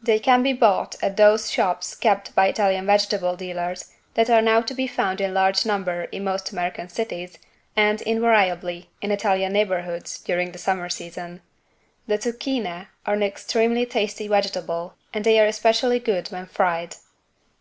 They can be bought at those shops kept by Italian vegetable dealers that are now to be found in large number in most American cities and, invariably, in Italian neighborhoods during the summer season. The "Zucchine" are an extremely tasty vegetable and they are especially good when fried.